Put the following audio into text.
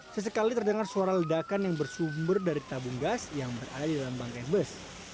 sesekali terdengar suara ledakan yang bersumber dari tabung gas yang berada di dalam bangkai bus